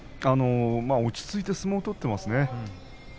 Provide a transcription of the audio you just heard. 落ち着いて相撲を取っていました。